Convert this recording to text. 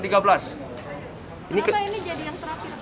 kenapa ini jadi yang terakhir